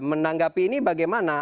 menanggapi ini bagaimana